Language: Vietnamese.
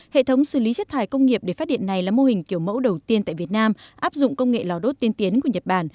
hệ thống xử lý chất thải công nghiệp để phát điện này là mô hình kiểu mẫu đầu tiên tại việt nam áp dụng công nghệ lò đốt tiên tiến của nhật bản